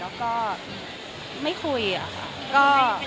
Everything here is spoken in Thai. แล้วก็ไม่คุยอะค่ะ